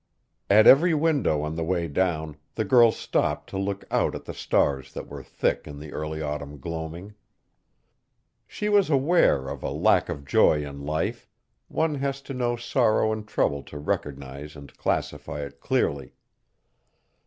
At every window on the way down the girl stopped to look out at the stars that were thick in the early autumn gloaming. She was aware of a lack of joy in life one has to know sorrow and trouble to recognize and classify it clearly.